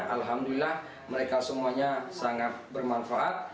alhamdulillah mereka semuanya sangat bermanfaat